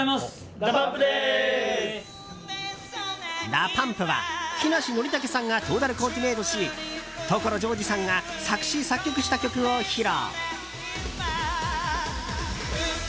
ＤＡＰＵＭＰは木梨憲武さんがトータルコーディネートし所ジョージさんが作詞・作曲した曲を披露。